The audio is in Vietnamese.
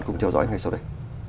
cùng theo dõi ngay sau đây